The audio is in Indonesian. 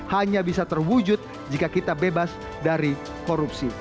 hanya bisa terwujud jika kita bebas dari korupsi